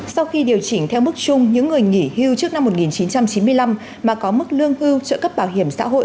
sau khi điều chỉnh theo mức chung những người nghỉ hưu trước năm một nghìn chín trăm chín mươi năm mà có mức lương hưu trợ cấp bảo hiểm xã hội